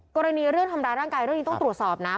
กรณีเรื่องทำร้ายร่างกายต้องตรวจสอบนะ